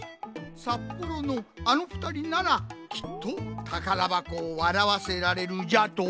「札幌のあのふたりならきっとたからばこをわらわせられる」じゃと？